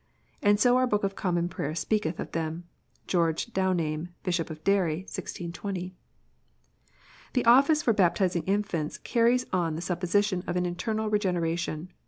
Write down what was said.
And so our book of Common Prayer speaketh of them." George Downame, Bishop of Derry. 1620. "The office for baptizing infants carries on the supposition of an internal Regeneration."